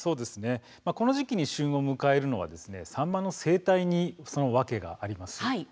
この時期に旬を迎えるのはサンマの生態に訳があります。